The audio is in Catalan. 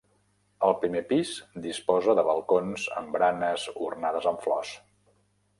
El primer pis disposa de balcons amb baranes ornades amb flors.